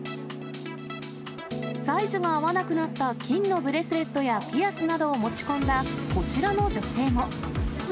サイズが合わなくなった金のブレスレットやピアスなどを持ち込んだこちらの女性も。